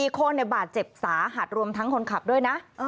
๔คนบาดเจ็บสาหัสรวมทั้งคนขับด้วยนะ